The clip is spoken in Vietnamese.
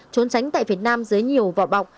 trốn tránh tại việt nam dưới nhiều vỏ bọc